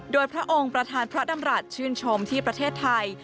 โดยพระองค์ประธานพระดำรัฐชื่นชมที่ประเทศไทย